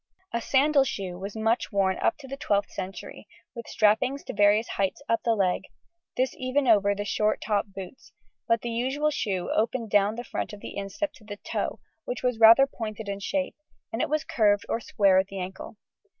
A sandal shoe was much worn up to the 12th century, with strappings to various heights up the leg, this even over the short top boots, but the usual shoe opened down the front of the instep to the toe, which was rather pointed in shape, and it was curved or square at the ankle.